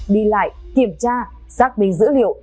đi lại kiểm tra xác minh dữ liệu